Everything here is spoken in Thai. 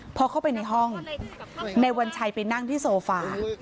พอเข้าไปในห้องนายวัญชัยไปนั่งที่โซฟา